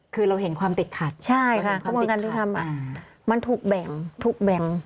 คือเราเห็นความติดขัดใช่ค่ะกระบวนการยุติธรรมมันถูกแบ่งถูกแบ่ง